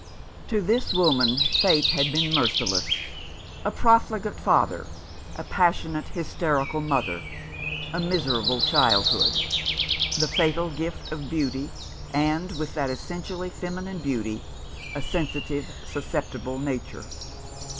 To this woman Fate had been merciless. A profligate father, a passionate, hysterical mother, a miserable childhood, the fatal gift of beauty, and, with that essentially feminine beauty, a sensitive, susceptible nature.